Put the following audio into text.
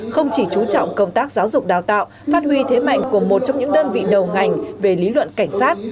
không chỉ trú trọng công tác giáo dục đào tạo phát huy thế mạnh của một trong những đơn vị đầu ngành về lý luận cảnh sát